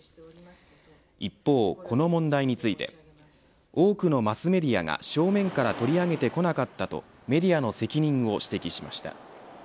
一方、この問題について多くのマスメディアが正面から取り上げてこなかったとメディアの責任を指摘しました。